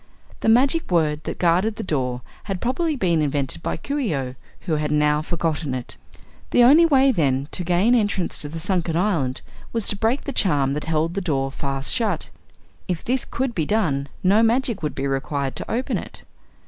The magic word that guarded the door had probably been invented by Coo ee oh, who had now forgotten it. The only way, then, to gain entrance to the sunken island was to break the charm that held the door fast shut. If this could be done no magic would be required to open it.